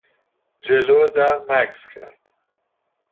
جلو در مکث کرد.